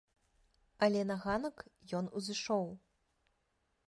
Але на ганак ён узышоў.